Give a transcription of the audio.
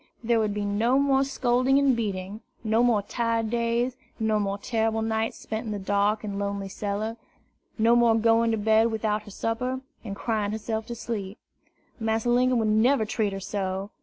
There would be no more scolding and beating, no more tired days, no more terrible nights spent in the dark and lonely cellar, no more going to bed without her supper, and crying herself to sleep. Massa Linkum would never treat her so.